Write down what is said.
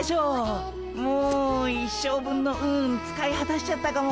もう一生分の運使いはたしちゃったかも。